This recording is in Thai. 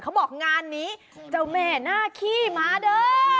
เขาบอกงานนี้เจ้าแม่หน้าขี้มาเด้อ